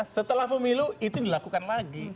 setelah pemilu itu dilakukan lagi